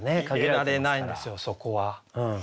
入れられないんですよそこは。